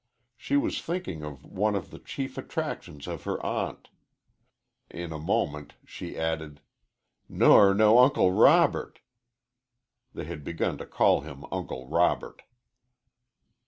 She was thinking of one of the chief attractions of her aunt. In a moment she added, "Ner no Uncle Robert." They had begun to call him Uncle Robert.